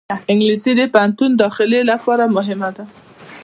انګلیسي د پوهنتون داخلې لپاره مهمه ده